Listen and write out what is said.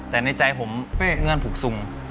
แต่ในใจผมเงื่อนผูกสุ่ง